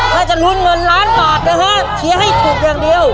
ถ้าจะลุ้นเงินล้านบาทนะฮะเชียร์ให้ถูกอย่างเดียว